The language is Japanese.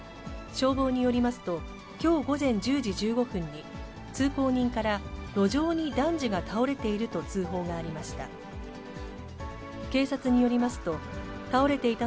消防によりますと、きょう午前１０時１５分に、通行人から、路上に男児が倒れていると通報がありました。